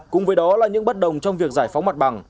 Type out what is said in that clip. cùng với đó là những bất đồng trong việc giải phóng mặt bằng